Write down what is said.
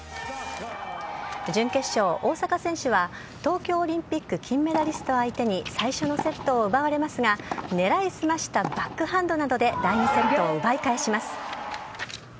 準決勝、大坂選手は東京オリンピック金メダリスト相手に最初のセットを奪われますが狙いすましたバックハンドなどで第２セットを奪い返します。